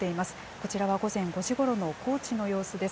こちらは午前５時ごろの高知の様子です。